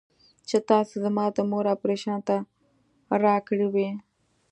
چې تاسو زما د مور اپرېشن ته راکړې وې.